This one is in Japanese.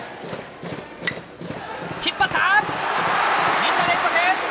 ２者連続！